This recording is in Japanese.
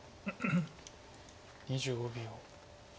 ２５秒。